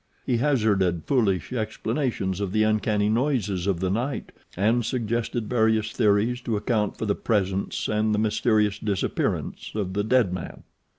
He hazarded foolish explanations of the uncanny noises of the night and suggested various theories to account for the presence and the mysterious disappearance of the dead man.